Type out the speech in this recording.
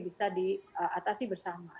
bisa diatasi bersama